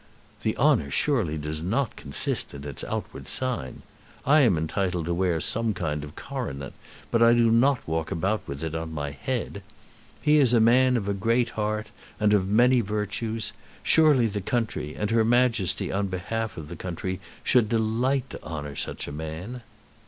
"The honour surely does not consist in its outward sign. I am entitled to wear some kind of coronet, but I do not walk about with it on my head. He is a man of a great heart and of many virtues. Surely the country, and her Majesty on behalf of the country, should delight to honour such a man."